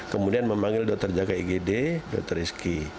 kemudian memanggil dokter jaga igd dokter rizky